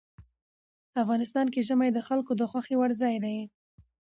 افغانستان کې ژمی د خلکو د خوښې وړ ځای دی.